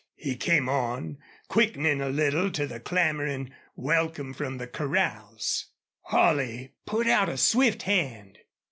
He came on, quickening a little to the clamoring welcome from the corrals. Holley put out a swift hand.